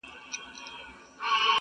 پرون یې کلی، نن محراب سبا چنار سوځوي.!